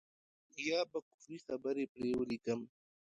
يا به کفري خبرې پرې وليکم.